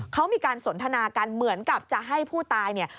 เขามีการสนทนากันเหมือนกับจะให้ผู้ตายเนี่ย